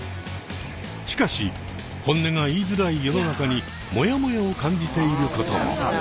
しかし本音が言いづらい世の中にモヤモヤを感じていることも。